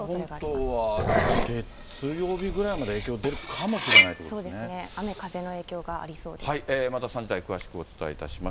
沖縄本島は、だから、月曜日ぐらいまで影響出るかもしれないそうですね、雨風の影響があまた３時台、詳しくお伝えいたします。